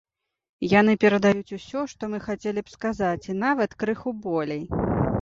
Яны перадаюць усё, што мы хацелі б сказаць, і нават крыху болей.